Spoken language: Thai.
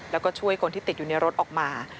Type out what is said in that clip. แล้วก็ช่วยคนที่ติดอยู่ในรถออกมา